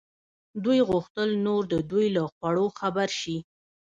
دوی غوښتل نور د دوی له خوړو خبر شي.